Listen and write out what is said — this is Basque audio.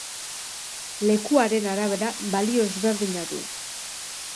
Lekuaren arabera balio ezberdina du.